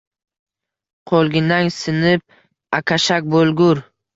Qo‘lginang sinib akashak bo‘lgur.